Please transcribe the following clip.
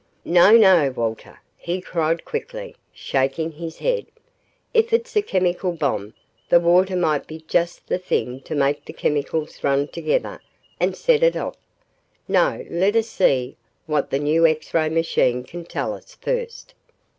"No, no, Walter," he cried quickly, shaking his head. "If it's a chemical bomb, the water might be just the thing to make the chemicals run together and set it off. No, let us see what the new X ray machine can tell us, first."